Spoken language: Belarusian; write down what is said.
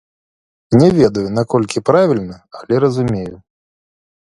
Не ведаю, наколькі правільна, але разумею.